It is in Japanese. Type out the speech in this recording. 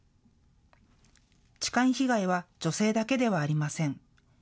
痴漢被害は女性だけではありません。